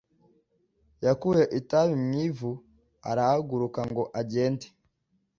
yakuye itabi mu ivu arahaguruka ngo agende